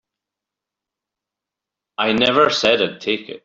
I never said I'd take it.